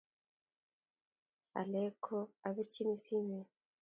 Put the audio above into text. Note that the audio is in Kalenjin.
alake ko abirchini simet